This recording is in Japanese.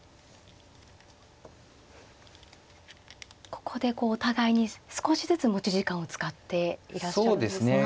ここでこうお互いに少しずつ持ち時間を使っていらっしゃるんですが。